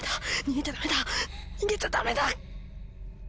逃げちゃダメだ！